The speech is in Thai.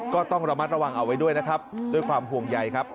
ก็ต้องระมัดระวังเอาไว้ด้วยนะครับด้วยความห่วงใยครับ